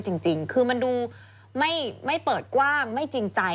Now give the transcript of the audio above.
จริงคือมันดูไม่เปิดกว้างไม่จริงใจ